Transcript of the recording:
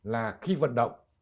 là khi vận động